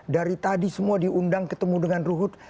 dari tadi semua diundang ketemu dengan ruhut